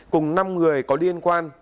cùng năm người có liên quan